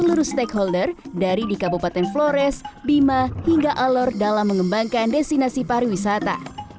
seluruh stakeholder dari di kabupaten flores bima hingga alor dalam mengembangkan destinasi pariwisata